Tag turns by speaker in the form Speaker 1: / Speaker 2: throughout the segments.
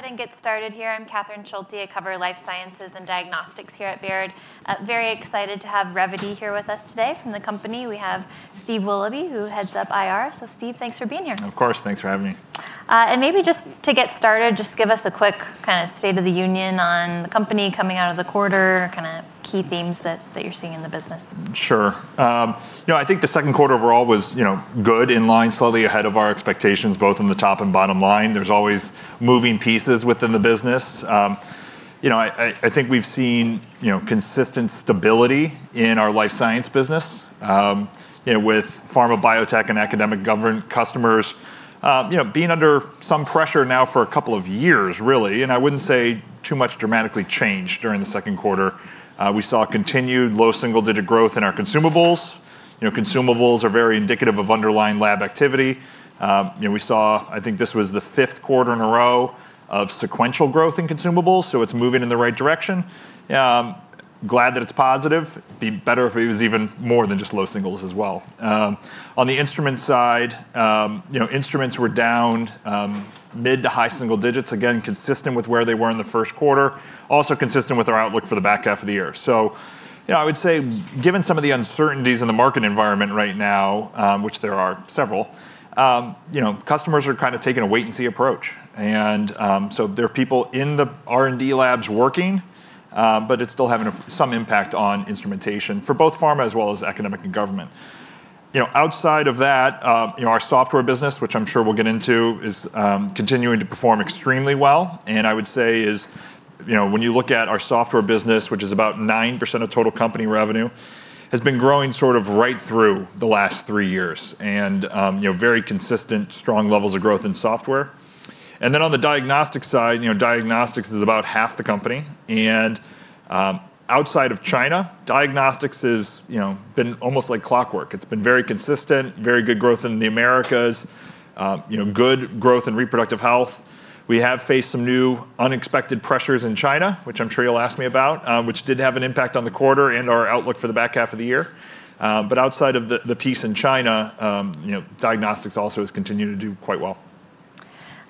Speaker 1: Getting started here. I'm Catherine Schulte, I cover Life Sciences and Diagnostics here at Baird. Very excited to have Revvity here with us today. From the company, we have Steve Willoughby, who heads up IR. Steve, thanks for being here.
Speaker 2: Of course, thanks for having me.
Speaker 1: To get started, just give us a quick kind of State of the Union on the company coming out of the quarter, kind of key themes that you're seeing in the business.
Speaker 2: Sure. I think the second quarter overall was good, in line, slightly ahead of our expectations, both in the top and bottom line. There are always moving pieces within the business. I think we've seen consistent stability in our life science business, with pharma, biotech, and academic government customers being under some pressure now for a couple of years, really. I wouldn't say too much dramatically changed during the second quarter. We saw continued low single-digit growth in our consumables. Consumables are very indicative of underlying lab activity. I think this was the fifth quarter in a row of sequential growth in consumables, so it's moving in the right direction. Glad that it's positive. It would be better if it was even more than just low singles as well. On the instrument side, instruments were down mid to high single-digits, again, consistent with where they were in the first quarter, also consistent with our outlook for the back half of the year. I would say given some of the uncertainties in the market environment right now, which there are several, customers are kind of taking a wait-and-see approach. There are people in the R&D labs working, but it's still having some impact on instrumentation for both pharma as well as academic and government. Outside of that, our software business, which I'm sure we'll get into, is continuing to perform extremely well. I would say when you look at our software business, which is about 9% of total company revenue, it has been growing sort of right through the last three years. Very consistent, strong levels of growth in software. Then on the diagnostics side, diagnostics is about half the company. Outside of China, diagnostics has been almost like clockwork. It's been very consistent, very good growth in the Americas, good growth in reproductive health. We have faced some new unexpected pressures in China, which I'm sure you'll ask me about, which did have an impact on the quarter and our outlook for the back half of the year. Outside of the piece in China, diagnostics also has continued to do quite well.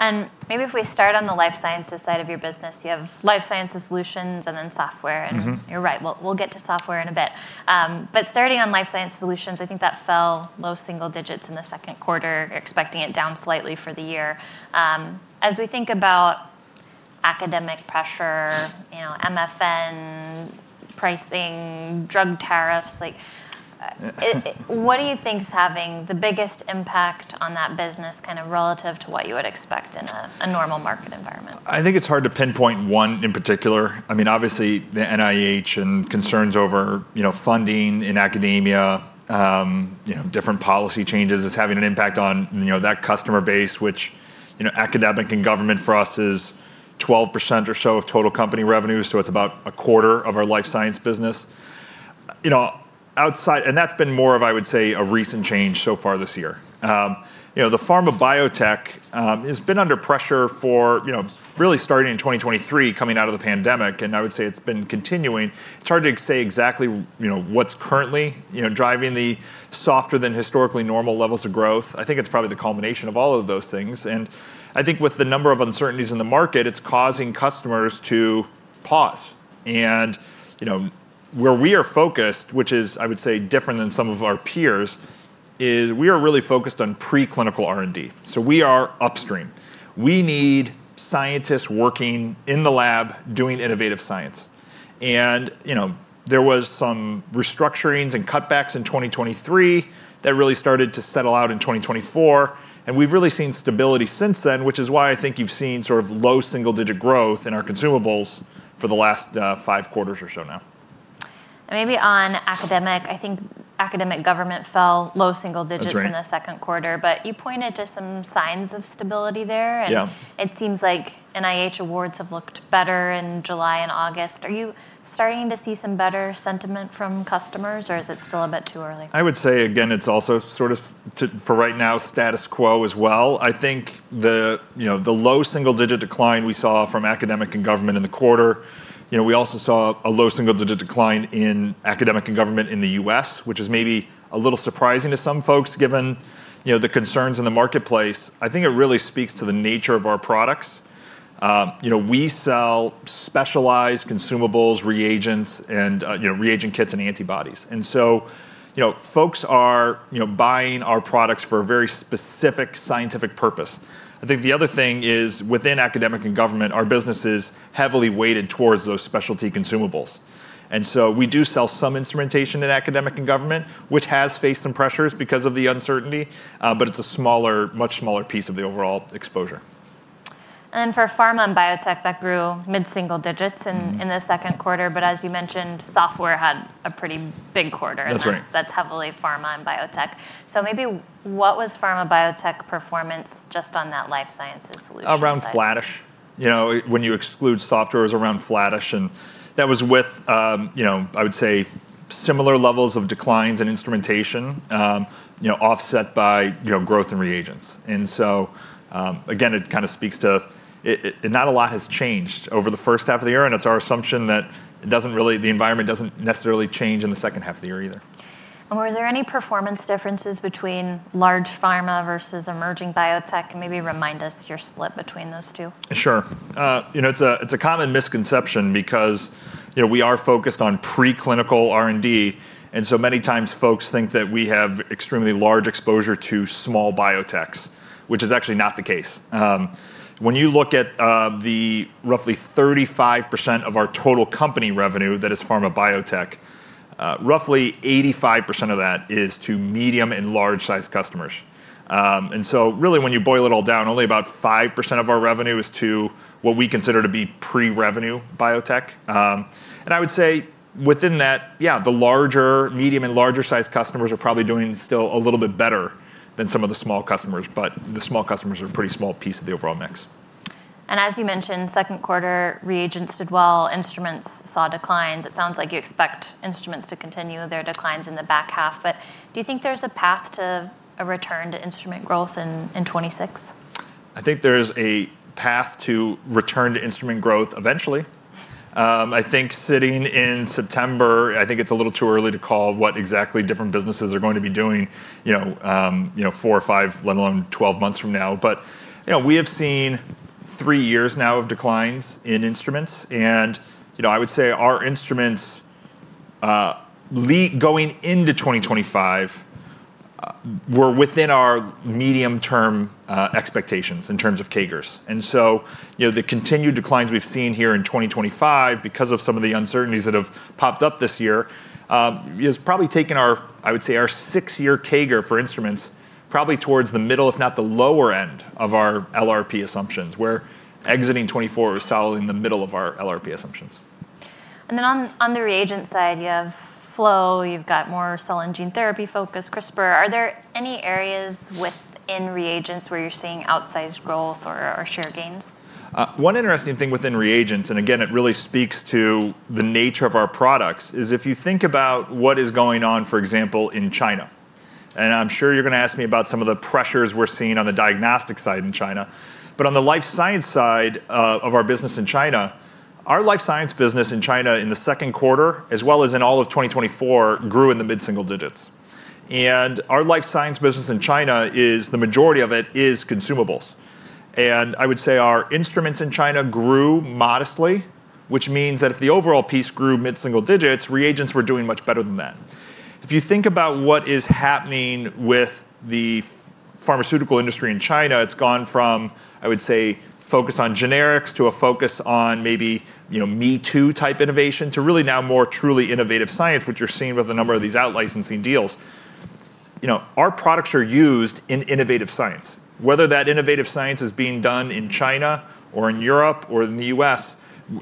Speaker 1: Maybe if we start on the life sciences side of your business, you have life sciences solutions and then software. You're right, we'll get to software in a bit. Starting on life sciences solutions, I think that fell low single-digits in the second quarter. You're expecting it down slightly for the year. As we think about academic pressure, you know, MFN, pricing, drug tariffs, what do you think is having the biggest impact on that business relative to what you would expect in a normal market environment?
Speaker 2: I think it's hard to pinpoint one in particular. Obviously, the NIH and concerns over funding in academia, different policy changes, is having an impact on that customer base, which, academic and government for us is 12% or so of total company revenue. It's about a quarter of our life science business. Outside, and that's been more of, I would say, a recent change so far this year. The pharma biotech has been under pressure for, really starting in 2023, coming out of the pandemic. I would say it's been continuing. It's hard to say exactly what's currently driving the softer than historically normal levels of growth. I think it's probably the culmination of all of those things. I think with the number of uncertainties in the market, it's causing customers to pause. Where we are focused, which is, I would say, different than some of our peers, is we are really focused on preclinical R&D. We are upstream. We need scientists working in the lab doing innovative science. There were some restructurings and cutbacks in 2023 that really started to settle out in 2024. We've really seen stability since then, which is why I think you've seen sort of low single-digit growth in our consumables for the last five quarters or so now.
Speaker 1: On academic, I think academic government fell low single-digits in the second quarter, but you pointed to some signs of stability there. It seems like NIH awards have looked better in July and August. Are you starting to see some better sentiment from customers, or is it still a bit too early?
Speaker 2: I would say, again, it's also sort of, for right now, status quo as well. I think the low single-digit decline we saw from academic and government in the quarter, we also saw a low single-digit decline in academic and government in the U.S., which is maybe a little surprising to some folks, given the concerns in the marketplace. I think it really speaks to the nature of our products. We sell specialized consumables, reagents, and reagent kits and antibodies. Folks are buying our products for a very specific scientific purpose. I think the other thing is within academic and government, our business is heavily weighted towards those specialty consumables. We do sell some instrumentation in academic and government, which has faced some pressures because of the uncertainty, but it's a smaller, much smaller piece of the overall exposure.
Speaker 1: For pharma and biotech, that grew mid single- digits in the second quarter, as you mentioned, software had a pretty big quarter.
Speaker 2: That's right.
Speaker 1: That's heavily pharma and biotech. What was pharma biotech performance just on that life sciences solution?
Speaker 2: Around flattish. You know, when you exclude software, it was around flattish. That was with, I would say, similar levels of declines in instrumentation, offset by growth in reagents. It kind of speaks to, and not a lot has changed over the first half of the year. It's our assumption that it doesn't really, the environment doesn't necessarily change in the second half of the year either.
Speaker 1: Were there any performance differences between large pharma versus emerging biotech? Maybe remind us your split between those two.
Speaker 2: Sure. It's a common misconception because we are focused on preclinical R&D. Many times folks think that we have extremely large exposure to small biotechs, which is actually not the case. When you look at the roughly 35% of our total company revenue that is pharma biotech, roughly 85% of that is to medium and large-sized customers. When you boil it all down, only about 5% of our revenue is to what we consider to be pre-revenue biotech. I would say within that, the medium and larger-sized customers are probably doing still a little bit better than some of the small customers, but the small customers are a pretty small piece of the overall mix.
Speaker 1: As you mentioned, second quarter, reagents did well, instruments saw declines. It sounds like you expect instruments to continue their declines in the back half, but do you think there's a path to a return to instrument growth in 2026?
Speaker 2: I think there's a path to return to instrument growth eventually. Sitting in September, I think it's a little too early to call what exactly different businesses are going to be doing, you know, four or five, let alone 12 months from now. We have seen three years now of declines in instruments. I would say our instruments going into 2025 were within our medium-term expectations in terms of CAGRs. The continued declines we've seen here in 2025, because of some of the uncertainties that have popped up this year, has probably taken our, I would say, our six-year CAGR for instruments probably towards the middle, if not the lower end of our LRP assumptions, where exiting 2024 was solidly in the middle of our LRP assumptions.
Speaker 1: On the reagent side, you have flow, you've got more cell and gene the apy focus, CRISPR. Are there any areas within reagents where you're seeing outsized growth or share gains?
Speaker 2: One interesting thing within reagents, and again, it really speaks to the nature of our products, is if you think about what is going on, for example, in China. I'm sure you're going to ask me about some of the pressures we're seeing on the diagnostic side in China. On the life science side of our business in China, our life science business in China in the second quarter, as well as in all of 2024, grew in the mid single-digits. Our life science business in China is the majority of it is consumables. I would say our instruments in China grew modestly, which means that if the overall piece grew mid single-digits, reagents were doing much better than that. If you think about what is happening with the pharmaceutical industry in China, it's gone from, I would say, focus on generics to a focus on maybe, you know, me-too type innovation to really now more truly innovative science, which you're seeing with a number of these out-licensing deals. Our products are used in innovative science. Whether that innovative science is being done in China or in Europe or in the U.S.,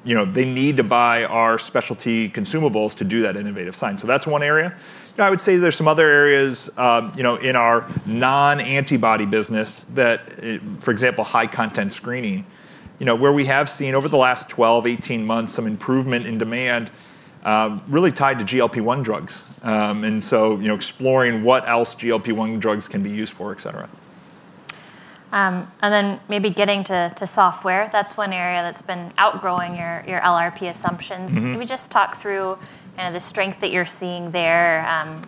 Speaker 2: they need to buy our specialty consumables to do that innovative science. That's one area. I would say there's some other areas in our non-antibody business that, for example, high-content screening, where we have seen over the last 12, 18 months some improvement in demand, really tied to GLP-1 drugs. Exploring what else GLP-1 drugs can be used for, et cetera.
Speaker 1: Maybe getting to software, that's one area that's been outgrowing your LRP assumptions. Can we just talk through kind of the strength that you're seeing there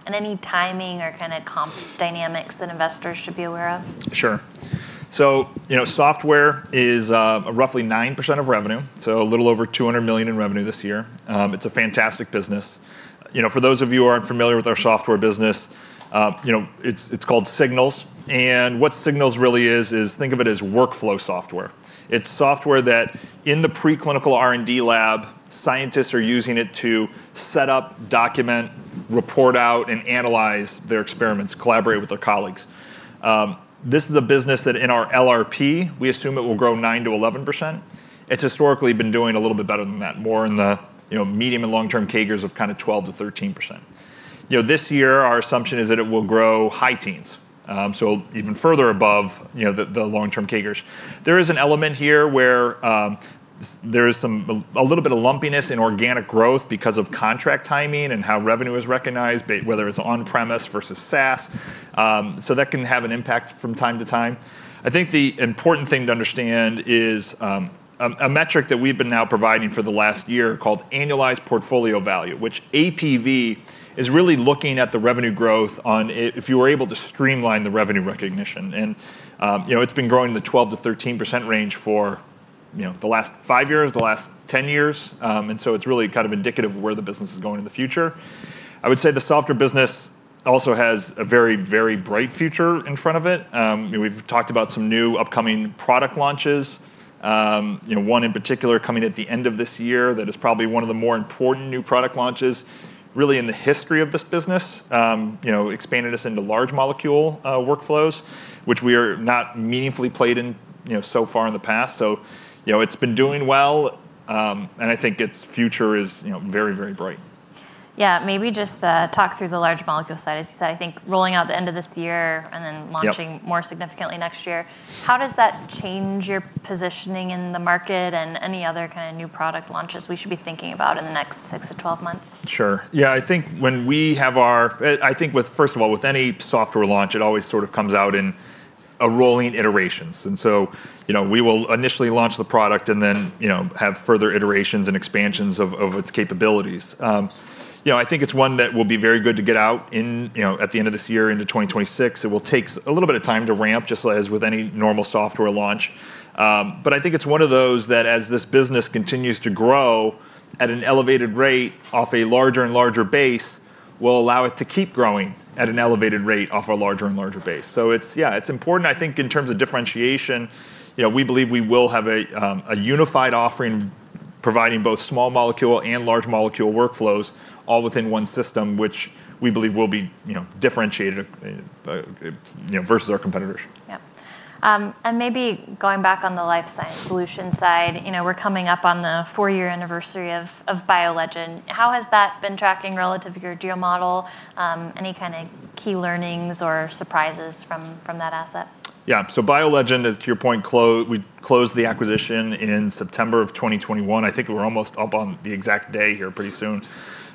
Speaker 1: and any timing or kind of comp dynamics that investors should be aware of?
Speaker 2: Sure. Software is roughly 9% of revenue, so a little over $200 million in revenue this year. It's a fantastic business. For those of you who aren't familiar with our software business, it's called Signals. What Signals really is, is workflow software. It's software that in the preclinical R&D lab, scientists are using to set up, document, report out, and analyze their experiments, collaborate with their colleagues. This is a business that in our LRP, we assume it will grow 9%- 11%. It's historically been doing a little bit better than that, more in the medium and long-term CAGRs of kind of 12%- 13%. This year, our assumption is that it will grow high teens, so even further above the long-term CAGRs. There is an element here where there is a little bit of lumpiness in organic growth because of contract timing and how revenue is recognized, whether it's on-premise versus SaaS. That can have an impact from time to time. I think the important thing to understand is a metric that we've been now providing for the last year called annualized portfolio value, which APV is really looking at the revenue growth on if you were able to streamline the revenue recognition. It's been growing in the 12%- 13% range for the last five years, the last 10 years. It's really kind of indicative of where the business is going in the future. I would say the software business also has a very, very bright future in front of it. We've talked about some new upcoming product launches, one in particular coming at the end of this year that is probably one of the more important new product launches really in the history of this business, expanded us into large molecule workflows, which we are not meaningfully played in so far in the past. It's been doing well. I think its future is very, very bright.
Speaker 1: Yeah, maybe just talk through the large molecule side. As you said, I think rolling out the end of this year and then launching more significantly next year, how does that change your positioning in the market, and any other kind of new product launches we should be thinking about in the next six to 12 months?
Speaker 2: Sure. I think with any software launch, it always sort of comes out in rolling iterations. We will initially launch the product and then have further iterations and expansions of its capabilities. I think it's one that will be very good to get out at the end of this year into 2026. It will take a little bit of time to ramp, just as with any normal software launch. I think it's one of those that, as this business continues to grow at an elevated rate off a larger and larger base, will allow it to keep growing at an elevated rate off a larger and larger base. It's important, I think, in terms of differentiation. We believe we will have a unified offering providing both small molecule and large molecule workflows all within one system, which we believe will be differentiated versus our competitors.
Speaker 1: Maybe going back on the life science solution side, you know, we're coming up on the four-year anniversary of BioLegend. How has that been tracking relative to your deal model? Any kind of key learnings or surprises from that asset?
Speaker 2: Yeah, so BioLegend is, to your point, we closed the acquisition in September of 2021. I think we're almost up on the exact day here pretty soon.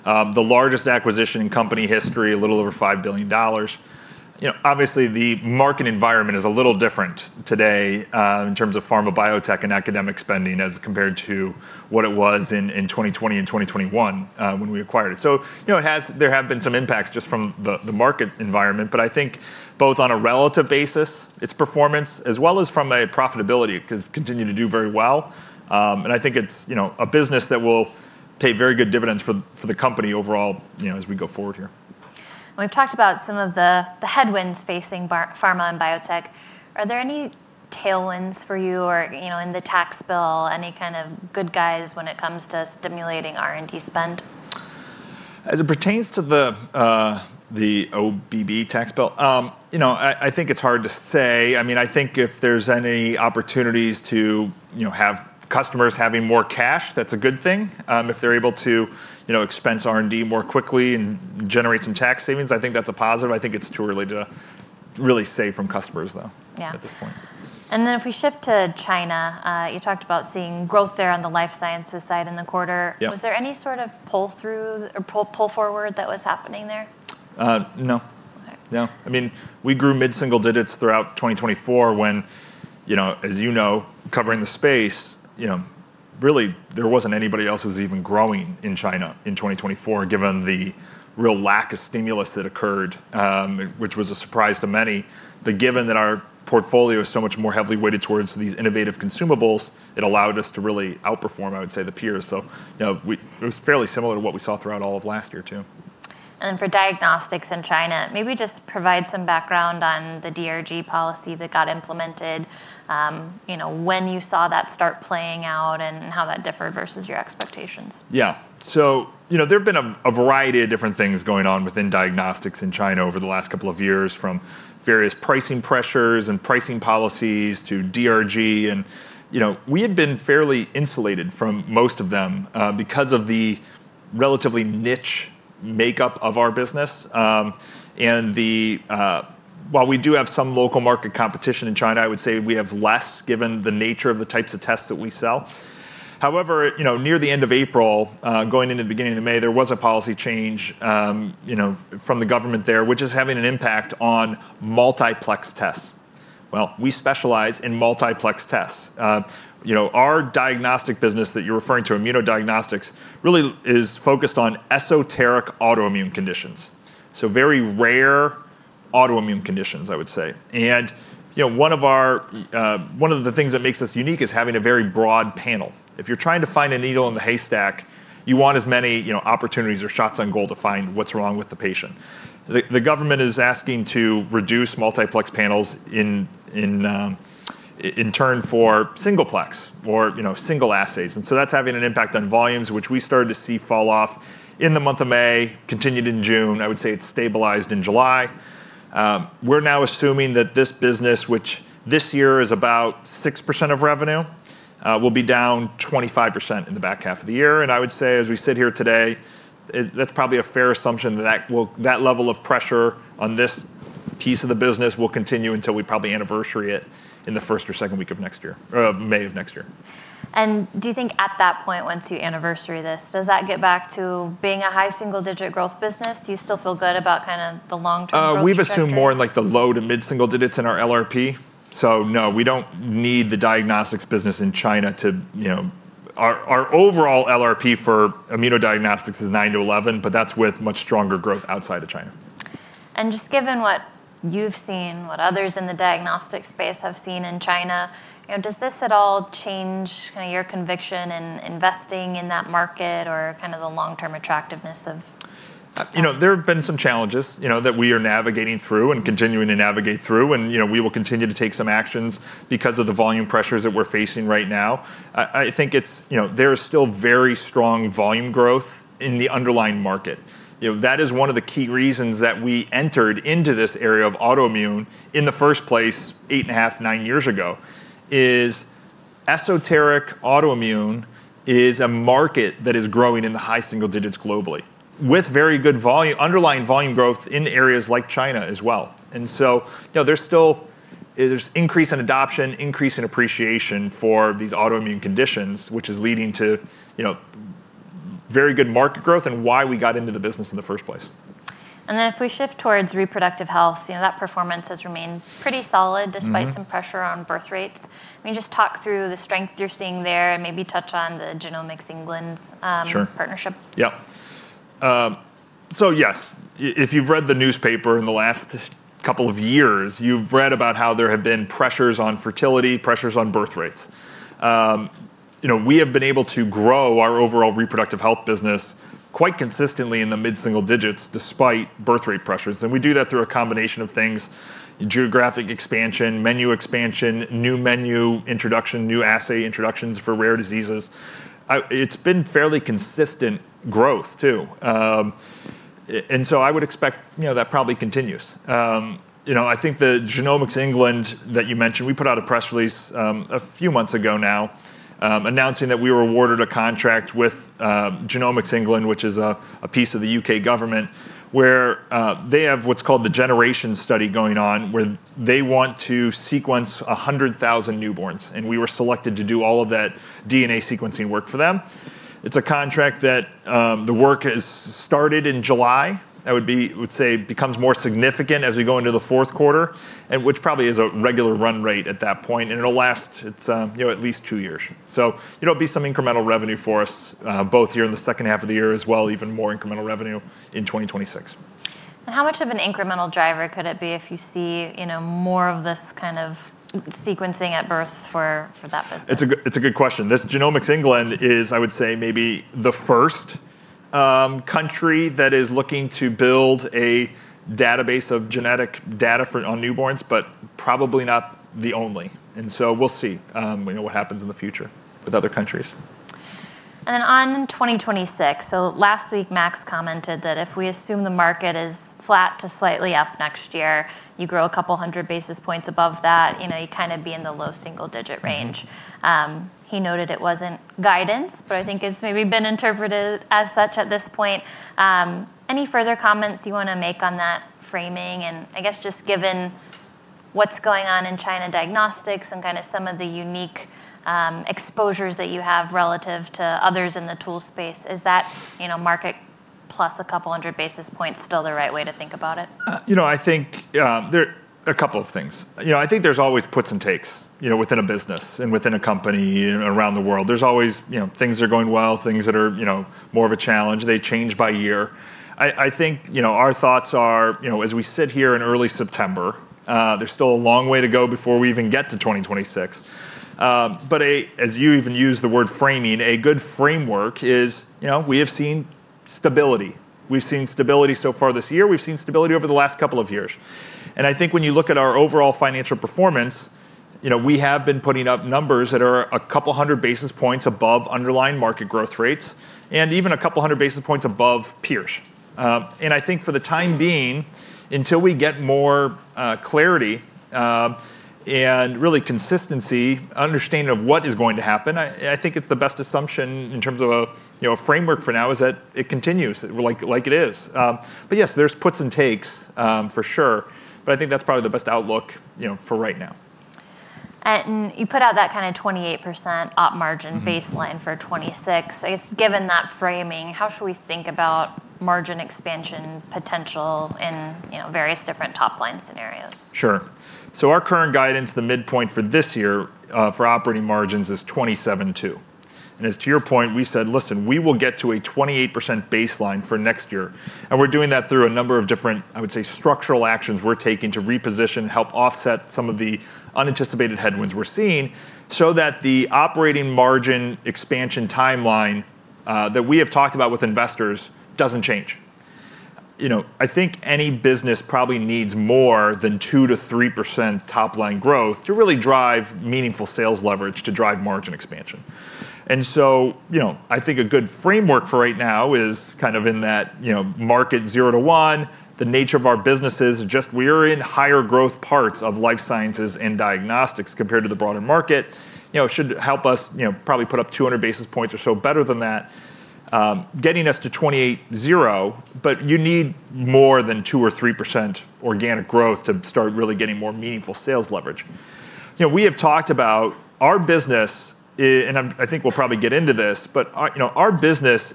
Speaker 2: The largest acquisition in company history, a little over $5 billion. Obviously, the market environment is a little different today in terms of pharma biotech and academic spending as compared to what it was in 2020 and 2021 when we acquired it. There have been some impacts just from the market environment, but I think both on a relative basis, its performance, as well as from a profitability, because it continued to do very well. I think it's, you know, a business that will pay very good dividends for the company overall as we go forward here.
Speaker 1: We've talked about some of the headwinds facing pharma and biotech. Are there any tailwinds for you or, you know, in the tax bill, any kind of good guys when it comes to stimulating R&D spend?
Speaker 2: As it pertains to the OBBB tax bill, I think it's hard to say. I think if there's any opportunities to have customers having more cash, that's a good thing. If they're able to expense R&D more quickly and generate some tax savings, I think that's a positive. I think it's too early to really say from customers, though, at this point.
Speaker 1: If we shift to China, you talked about seeing growth there on the life sciences side in the quarter. Was there any sort of pull-through or pull-forward that was happening there?
Speaker 2: No. No. I mean, we grew mid single-digits throughout 2024 when, you know, as you know, covering the space, you know, really there wasn't anybody else who was even growing in China in 2024, given the real lack of stimulus that occurred, which was a surprise to many. Given that our portfolio is so much more heavily weighted towards these innovative consumables, it allowed us to really outperform, I would say, the peers. It was fairly similar to what we saw throughout all of last year too.
Speaker 1: For diagnostics in China, maybe just provide some background on the DRG policy that got implemented, you know, when you saw that start playing out and how that differed versus your expectations.
Speaker 2: Yeah. There have been a variety of different things going on within diagnostics in China over the last couple of years, from various pricing pressures and pricing policies to DRG policies. We had been fairly insulated from most of them because of the relatively niche makeup of our business. While we do have some local market competition in China, I would say we have less given the nature of the types of tests that we sell. Near the end of April, going into the beginning of May, there was a policy change from the government there, which is having an impact on multiplex tests. We specialize in multiplex tests. Our diagnostic business that you're referring to, immunodiagnostics, really is focused on esoteric autoimmune conditions, so very rare autoimmune conditions, I would say. One of the things that makes us unique is having a very broad panel. If you're trying to find a needle in the haystack, you want as many opportunities or shots on goal to find what's wrong with the patient. The government is asking to reduce multiplex panels in turn for singleplex or single assays, and that's having an impact on volumes, which we started to see fall off in the month of May and continued in June. I would say it stabilized in July. We're now assuming that this business, which this year is about 6% of revenue, will be down 25% in the back half of the year. As we sit here today, that's probably a fair assumption that that level of pressure on this piece of the business will continue until we probably anniversary it in the first or second week of next year, or May of next year.
Speaker 1: Do you think at that point, once you anniversary this, does that get back to being a high single-digit growth business? Do you still feel good about kind of the long-term?
Speaker 2: We've assumed more in like the low to mid-single-digits in our LRP. No, we don't need the diagnostics business in China to, you know, our overall LRP for immunodiagnostics is 9%- 11%, but that's with much stronger growth outside of China.
Speaker 1: Given what you've seen, what others in the diagnostic space have seen in China, does this at all change your conviction in investing in that market or the long-term attractiveness of it?
Speaker 2: There have been some challenges that we are navigating through and continuing to navigate through. We will continue to take some actions because of the volume pressures that we're facing right now. I think there's still very strong volume growth in the underlying market. That is one of the key reasons that we entered into this area of autoimmune in the first place, eight and a half, nine years ago. Esoteric autoimmune is a market that is growing in the high single-digits globally, with very good underlying volume growth in areas like China as well. There's still increase in adoption, increase in appreciation for these autoimmune conditions, which is leading to very good market growth and why we got into the business in the first place.
Speaker 1: If we shift towards reproductive health, that performance has remained pretty solid despite some pressure on birth rates. Just talk through the strength you're seeing there and maybe touch on the Genomics England partnership.
Speaker 2: Sure. Yeah. Yes, if you've read the newspaper in the last couple of years, you've read about how there have been pressures on fertility, pressures on birth rates. We have been able to grow our overall reproductive health business quite consistently in the mid single-digits despite birth rate pressures. We do that through a combination of things: geographic expansion, menu expansion, new menu introduction, new assay introductions for rare diseases. It's been fairly consistent growth too. I would expect that probably continues. I think the Genomics England that you mentioned, we put out a press release a few months ago now announcing that we were awarded a contract with Genomics England, which is a piece of the UK government, where they have what's called the generation study going on, where they want to sequence 100,000 newborns. We were selected to do all of that DNA sequencing work for them. It's a contract that the work has started in July. I would say it becomes more significant as we go into the fourth quarter, which probably is a regular run rate at that point. It'll last at least two years. It'll be some incremental revenue for us both here in the second half of the year as well, even more incremental revenue in 2026.
Speaker 1: How much of an incremental driver could it be if you see more of this kind of sequencing at birth for that business?
Speaker 2: It's a good question. Genomics England is, I would say, maybe the first country that is looking to build a database of genetic data for newborns, but probably not the only. We'll see what happens in the future with other countries.
Speaker 1: On 2026, last week Max commented that if we assume the market is flat to slightly up next year, you grow a couple hundred basis points above that, you kind of be in the low single-digit range. He noted it wasn't guidance, but I think it's maybe been interpreted as such at this point. Any further comments you want to make on that framing? I guess just given what's going on in China diagnostics and kind of some of the unique exposures that you have relative to others in the tool space, is that market plus a couple hundred basis points still the right way to think about it?
Speaker 2: I think there are a couple of things. I think there's always puts and takes within a business and within a company around the world. There's always things that are going well, things that are more of a challenge. They change by year. I think our thoughts are, as we sit here in early September, there's still a long way to go before we even get to 2026. As you even use the word framing, a good framework is, we have seen stability. We've seen stability so far this year. We've seen stability over the last couple of years. I think when you look at our overall financial performance, we have been putting up numbers that are a couple hundred basis points above underlying market growth rates and even a couple hundred basis points above peers. I think for the time being, until we get more clarity and really consistency, understanding of what is going to happen, it's the best assumption in terms of a framework for now that it continues like it is. Yes, there's puts and takes for sure. I think that's probably the best outlook for right now.
Speaker 1: You put out that kind of 28% operating margin baseline for 2026. Given that framing, how should we think about margin expansion potential in various different top line scenarios?
Speaker 2: Sure. Our current guidance, the midpoint for this year for operating margins is 27.2%. As to your point, we said, listen, we will get to a 28% baseline for next year. We're doing that through a number of different, I would say, structural actions we're taking to reposition, help offset some of the unanticipated headwinds we're seeing so that the operating margin expansion timeline that we have talked about with investors doesn't change. I think any business probably needs more than 2%- 3% top line growth to really drive meaningful sales leverage, to drive margin expansion. I think a good framework for right now is kind of in that market zero to one, the nature of our businesses, just we are in higher growth parts of life sciences and diagnostics compared to the broader market. It should help us probably put up 200 basis points or so better than that, getting us to 28.0%, but you need more than 2% or 3% organic growth to start really getting more meaningful sales leverage. We have talked about our business, and I think we'll probably get into this, but our business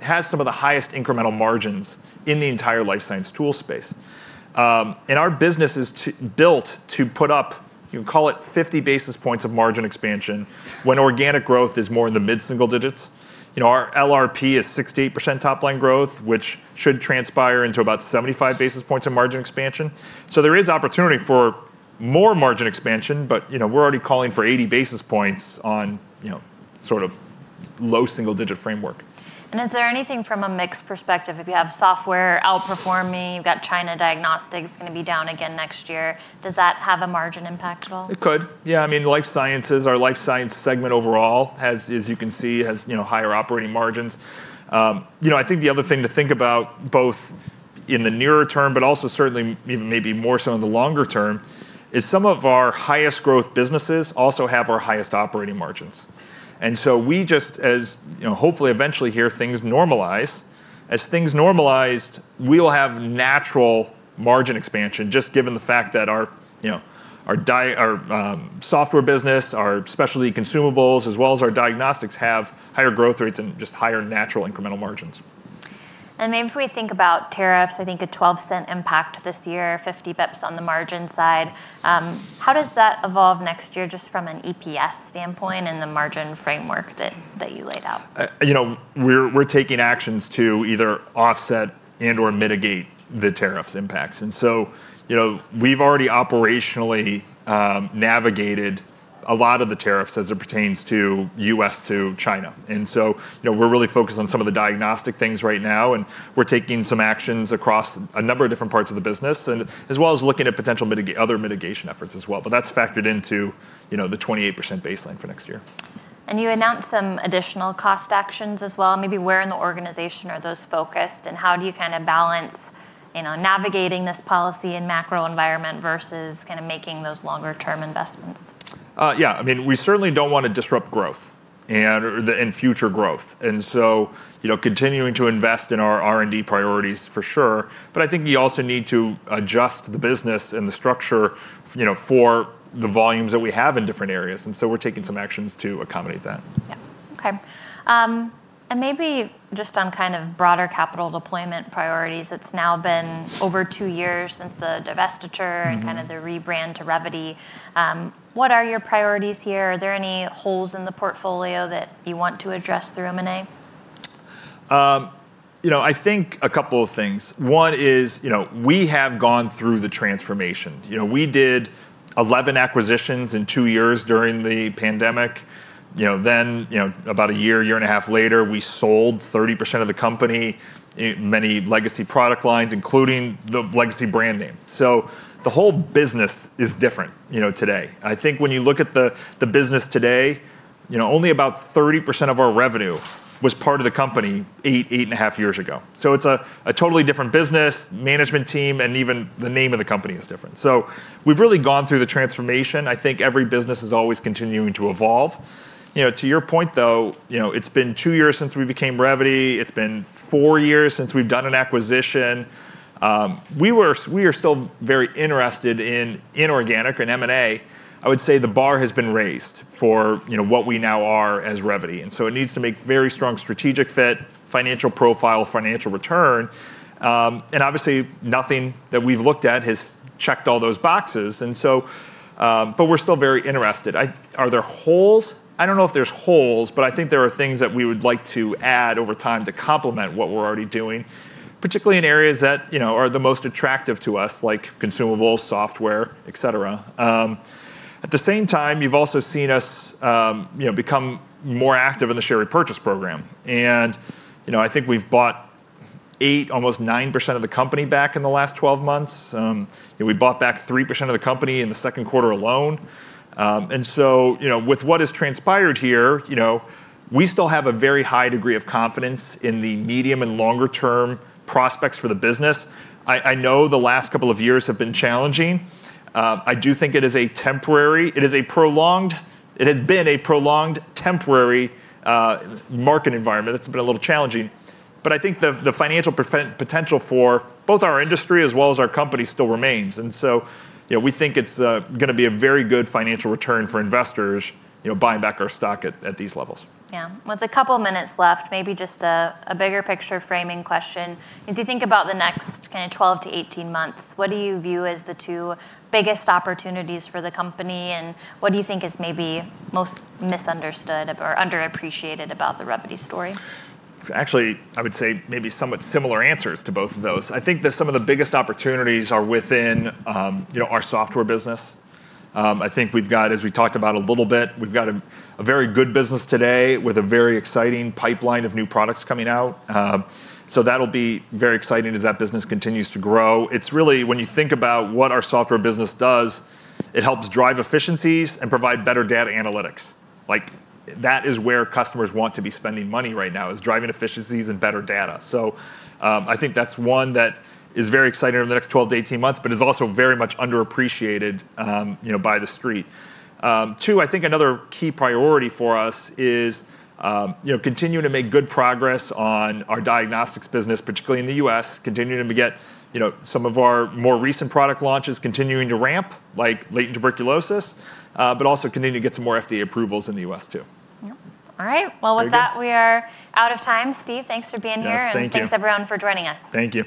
Speaker 2: has some of the highest incremental margins in the entire life science tool space. Our business is built to put up, you can call it 50 basis points of margin expansion when organic growth is more in the mid-single-digits. Our LRP is 6%- 8% top line growth, which should transpire into about 75 basis points of margin expansion. There is opportunity for more margin expansion, but we're already calling for 80 basis points on sort of low single-digit framework.
Speaker 1: Is there anything from a mix perspective? If you have software outperforming, you've got China diagnostics going to be down again next year. Does that have a margin impact at all?
Speaker 2: It could. Yeah, I mean, Life Sciences, our Life Sciences segment overall has, as you can see, higher operating margins. I think the other thing to think about both in the nearer term, but also certainly even maybe more so in the longer term, is some of our highest growth businesses also have our highest operating margins. As you know, hopefully eventually here things normalize. As things normalize, we will have natural margin expansion, just given the fact that our software business, our specialty consumables, as well as our diagnostics, have higher growth rates and just higher natural incremental margins.
Speaker 1: If we think about tariffs, I think a 12% impact this year, 50 basis points on the margin side. How does that evolve next year, just from an EPS standpoint and the margin framework that you laid out?
Speaker 2: We're taking actions to either offset and/or mitigate the tariffs impacts. We've already operationally navigated a lot of the tariffs as it pertains to U.S. to China. We're really focused on some of the diagnostic things right now, and we're taking some actions across a number of different parts of the business, as well as looking at potential other mitigation efforts as well. That's factored into the 28% baseline for next year.
Speaker 1: You announced some additional cost actions as well. Maybe where in the organization are those focused? How do you kind of balance, you know, navigating this policy and macro environment versus kind of making those longer-term investments?
Speaker 2: Yeah, I mean, we certainly don't want to disrupt growth and future growth. You know, continuing to invest in our R&D priorities for sure. I think you also need to adjust the business and the structure, you know, for the volumes that we have in different areas. We're taking some actions to accommodate that.
Speaker 1: Okay. Maybe just on kind of broader capital deployment priorities, it's now been over two years since the divestiture and kind of the rebrand to Revvity. What are your priorities here? Are there any holes in the portfolio that you want to address through M&A?
Speaker 2: I think a couple of things. One is, we have gone through the transformation. We did 11 acquisitions in two years during the pandemic. Then, about a year, year and a half later, we sold 30% of the company in many legacy product lines, including the legacy brand name. The whole business is different today. I think when you look at the business today, only about 30% of our revenue was part of the company eight, eight and a half years ago. It's a totally different business, management team, and even the name of the company is different. We've really gone through the transformation. I think every business is always continuing to evolve. To your point, though, it's been two years since we became Revvity, it's been four years since we've done an acquisition. We are still very interested in organic and M&A. I would say the bar has been raised for what we now are as Revvity. It needs to make very strong strategic fit, financial profile, financial return. Obviously, nothing that we've looked at has checked all those boxes. We're still very interested. Are there holes? I don't know if there's holes, but I think there are things that we would like to add over time to complement what we're already doing, particularly in areas that are the most attractive to us, like consumables, software, et cetera. At the same time, you've also seen us become more active in the share repurchase program. I think we've bought eight, almost 9% of the company back in the last 12 months. We bought back 3% of the company in the second quarter alone. With what has transpired here, we still have a very high degree of confidence in the medium and longer-term prospects for the business. I know the last couple of years have been challenging. I do think it is a temporary, it is a prolonged, it has been a prolonged temporary market environment that's been a little challenging. I think the financial potential for both our industry as well as our company still remains. We think it's going to be a very good financial return for investors, buying back our stock at these levels.
Speaker 1: Yeah, with a couple of minutes left, maybe just a bigger picture framing question. Do you think about the next kind of 12- 18 months? What do you view as the two biggest opportunities for the company? What do you think is maybe most misunderstood or underappreciated about the Revvity story?
Speaker 2: Actually, I would say maybe somewhat similar answers to both of those. I think that some of the biggest opportunities are within our software business. I think we've got, as we talked about a little bit, we've got a very good business today with a very exciting pipeline of new products coming out. That'll be very exciting as that business continues to grow. It's really, when you think about what our software business does, it helps drive efficiencies and provide better data analytics. That is where customers want to be spending money right now, is driving efficiencies and better data. I think that's one that is very exciting over the next 12- 18 months, but is also very much underappreciated by the street. I think another key priority for us is continuing to make good progress on our diagnostics business, particularly in the U.S., continuing to get some of our more recent product launches continuing to ramp, like latent tuberculosis, but also continue to get some more FDA approvals in the U.S. too.
Speaker 1: All right. With that, we are out of time. Steve, thanks for being here.
Speaker 2: Yes, thank you.
Speaker 1: Thank you everyone for joining us.
Speaker 2: Thank you.